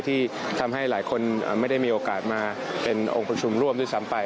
ที่ทำให้หลายคนไม่ได้มีโอกาสมาเป็นองค์ประชุมร่วมด้วยซ้ำไป